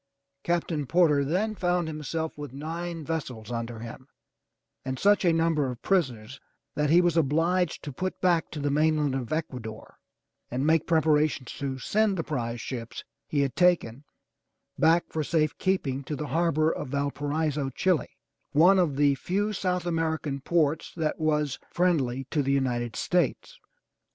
Captain Porter then found himself with nine vessels under him and such a number of prisoners that he was obliged to put back to the mainland of Ecuador and make preparations to send the prize ships he had taken back for safe keeping to the harbor of Valparai so, Chile, one of the few South American ports that was friendly 356 THE TREASURE CHEST to the United States.